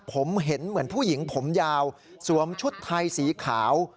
ผมเห็นเหมือนผู้หญิงผมยาวสวมชุดไทยสีขาว